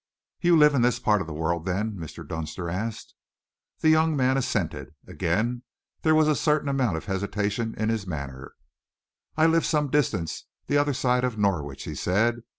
"You live in this part of the world, then?" Mr. Dunster asked. The young man assented. Again there was a certain amount of hesitation in his manner. "I live some distance the other side of Norwich," he said.